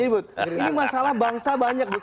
ini masalah bangsa banyak